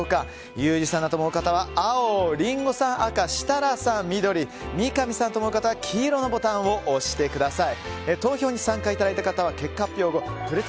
ユージさんだと思う方は青リンゴさんは赤設楽さんは緑三上さんと思う方は黄色のボタンを押してください。